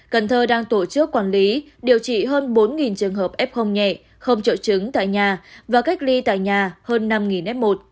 cần thơ đang tổ chức quản lý điều trị hơn bốn trường hợp f nhẹ không trợ chứng tại nhà và cách ly tại nhà hơn năm f một